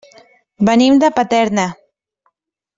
Venim de Paterna.